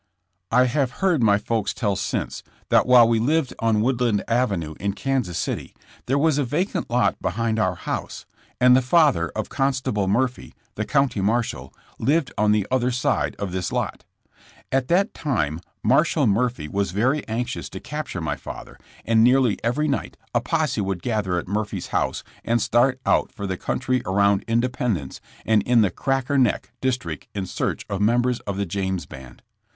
I have heard my folks tell since, that while we lived on Woodland Avenue, in Kansas City, there was a vacant lot behind our house, and the father of Con. Murphy, the County Marshall, lived on the other side of this lot. At that time Marshall Murphy was very anxious to capture my father and nearly every night a posse would gather at Murphy's house and start out for the country around Independence and in the "Cracker Neck" district in search of mem bers of the James band.